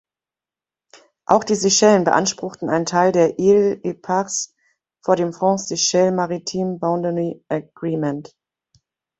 Auch die Seychellen beanspruchten einen Teil der Îles Éparses vor dem France-Seychelles Maritime Boundary Agreement.